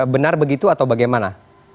benar begitu atau bagaimana